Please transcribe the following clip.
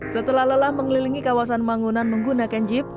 setelah lelah mengelilingi kawasan mangunan menggunakan jeep